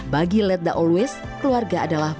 bagi letda always keluarga adalawis